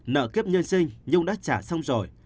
nợ kiếp nhân sinh nhung đã trả xong rồi